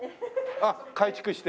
あっ改築して？